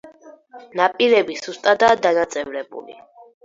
ნაპირები სუსტადაა დანაწევრებული.